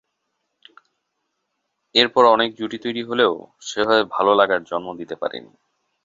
এরপর অনেক জুটি তৈরি হলেও সেভাবে ভালো লাগার জন্ম দিতে পারেনি।